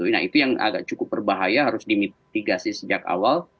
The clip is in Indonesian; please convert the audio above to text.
nah itu yang agak cukup berbahaya harus dimitigasi sejak awal